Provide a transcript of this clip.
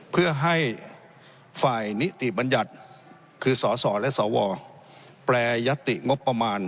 เพื่อให้ฝ่ายนิติบัญญัติคือสสและสวแปรยติงบประมาณ